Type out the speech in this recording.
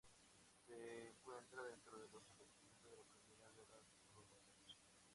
Se encuentra dentro de los acontecimientos de la Primera Guerra Robotech.